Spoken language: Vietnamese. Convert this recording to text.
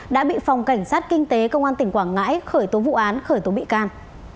đã bị phòng cảnh sát kinh tế công an tỉnh quảng ngãi khởi tố vụ án khởi tố bị can